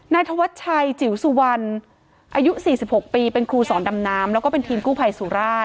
ธวัชชัยจิ๋วสุวรรณอายุ๔๖ปีเป็นครูสอนดำน้ำแล้วก็เป็นทีมกู้ภัยสุราช